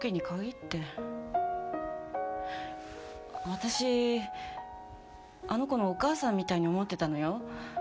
私あの子のお母さんみたいに思ってたのよ。